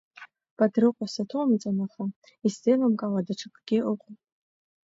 Бадрыҟәа саҭоумҵан, аха исзеилымкаауа даҽакгьы ыҟоуп!